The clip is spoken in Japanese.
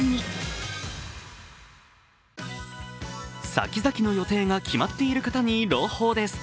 さきざきの予定が決まっている方に朗報です